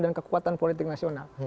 dan kekuatan politik nasional